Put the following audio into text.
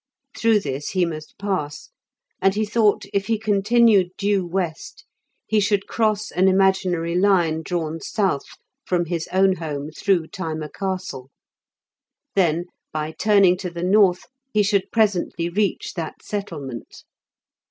Through this he must pass, and he thought if he continued due west he should cross an imaginary line drawn south from his own home through Thyma Castle; then by turning to the north he should presently reach that settlement.